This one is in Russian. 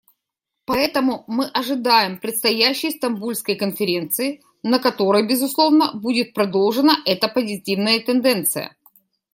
Поэтому мы ожидаем предстоящей Стамбульской конференции, на которой, безусловно, будет продолжена эта позитивная тенденция.